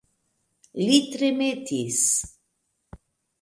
Li tremetis.